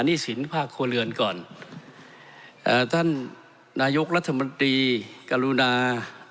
หนี้สินภาคครัวเรือนก่อนเอ่อท่านนายกรัฐมนตรีกรุณา